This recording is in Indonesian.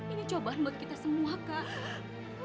ini cobaan buat kita semua kak